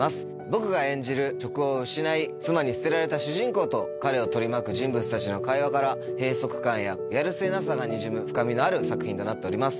僕が演じる職を失い、妻に捨てられた主人公と、彼と取り巻く人物との会話から、閉塞感ややるせなさがにじむ、深みのある作品となっております。